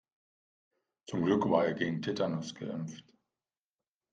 Zum Glück war er gegen Tetanus geimpft.